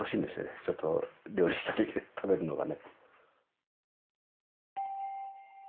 ちょっと料理したりね食べるのがね。